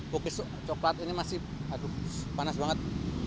pukis coklat ini masih panas banget